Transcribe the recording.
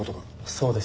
そうですね。